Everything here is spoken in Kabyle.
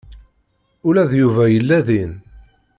Ula d Yuba yella din.